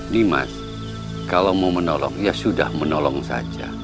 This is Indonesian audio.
dimas kalau mau menolong ya sudah menolong saja